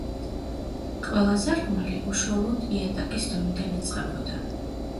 ყველა სარკმელი უშუალოდ იატაკის დონიდან იწყებოდა.